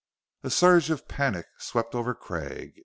A surge of panic swept over Craig.